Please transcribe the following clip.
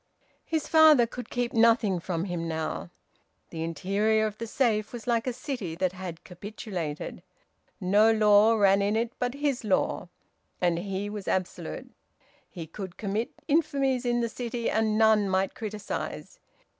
His father could keep nothing from him now. The interior of the safe was like a city that had capitulated; no law ran in it but his law, and he was absolute; he could commit infamies in the city and none might criticise.